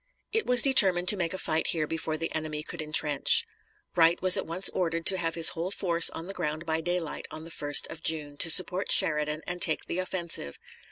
It was determined to make a fight here before the enemy could intrench. Wright was at once ordered to have his whole force on the ground by daylight on the 1st of June, to support Sheridan and take the offensive.